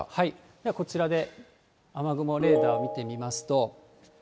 こちらで雨雲レーダーを見てみますと。